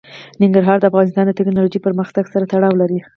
ننګرهار د افغانستان د تکنالوژۍ پرمختګ سره تړاو لري.